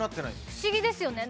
不思議ですよね